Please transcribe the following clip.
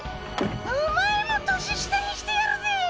お前も年下にしてやるぜえ。